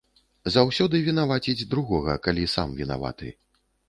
Заўсёды вінаваціць другога, калі сам вінаваты.